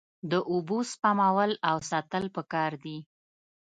د اوبو سپمول او ساتل پکار دي.